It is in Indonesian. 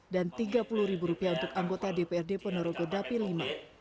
dan rp tiga puluh ribu untuk anggota dprd ponorogo dapi v